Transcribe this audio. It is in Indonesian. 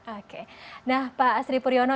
oke nah pak asri puryono